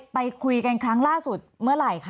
ไปคุยกันครั้งล่าสุดเมื่อไหร่คะ